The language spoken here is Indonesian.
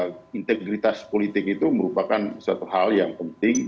bahwa ya integritas politik itu merupakan suatu hal yang penting